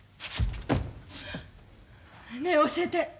ねえ教えて。